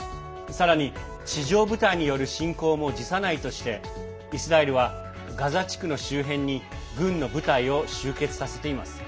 さらに地上部隊による侵攻も辞さないとしてイスラエルはガザ地区の周辺に軍の部隊を集結させています。